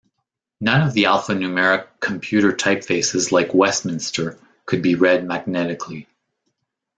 None of the alphanumeric 'computer' typefaces like Westminster could be read magnetically.